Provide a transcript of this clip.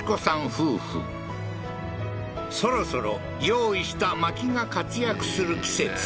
夫婦そろそろ用意した薪が活躍する季節